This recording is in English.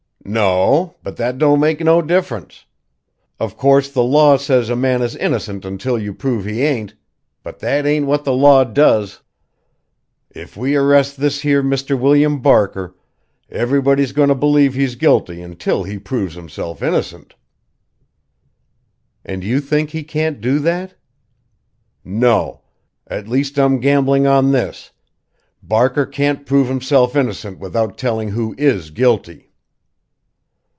"No o, but that don't make no difference. Of course the law says a man is innocent until you prove he ain't, but that ain't what the law does. If we arrest this here Mr. William Barker, everybody's going to believe he's guilty until he proves himself innocent." "And you think he can't do that?" "No! At least I'm gambling on this Barker can't prove himself innocent without telling who is guilty!"